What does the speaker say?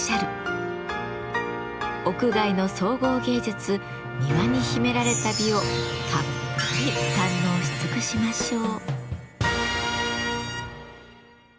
屋外の総合芸術「庭」に秘められた美をたっぷり堪能し尽くしましょう。